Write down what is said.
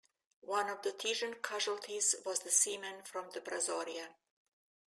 One of the Texian casualties was the seaman from the "Brazoria".